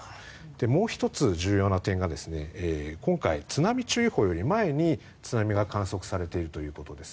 もう１つ重要な点が今回、津波注意報より前に津波が観測されているということです。